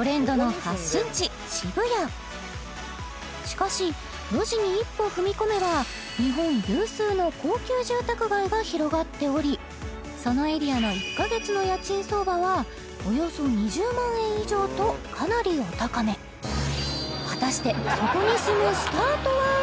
しかし路地に一歩踏み込めば日本有数の高級住宅街が広がっておりそのエリアの１カ月の家賃相場はおよそ２０万円以上とかなりお高め果たしてそこに住むスターとは？